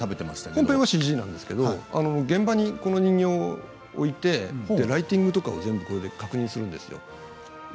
本編はＣＧなんですが現場にこの人形を置いてライティングとか確認するんです。